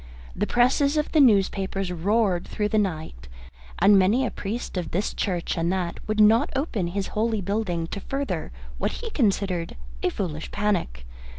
The presses of the newspapers roared through the nights, and many a priest of this church and that would not open his holy building to further what he considered a foolish panic.